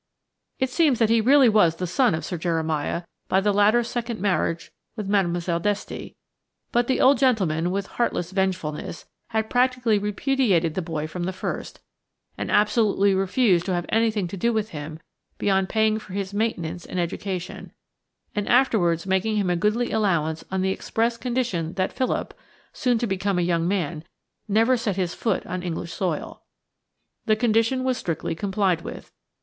It seems that he really was the son of Sir Jeremiah by the latter's second marriage with Mlle. Desty, but the old gentleman, with heartless vengefulness, had practically repudiated the boy from the first, and absolutely refused to have anything to do with him beyond paying for his maintenance and education, and afterwards making him a goodly allowance on the express condition that Philip–soon to become a young man–never set his foot on English soil. The condition was strictly complied with.